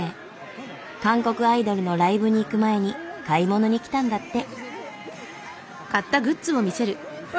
韓国アイドルのライブに行く前に買い物に来たんだって。